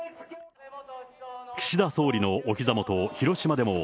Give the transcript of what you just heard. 岸田総理のおひざ元、広島でも、